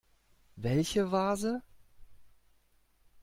Welche Vase?